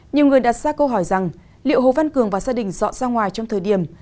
nhiều người đặt ra câu hỏi rằng liệu hồ văn cường và gia đình dọn ra ngoài trong thời điểm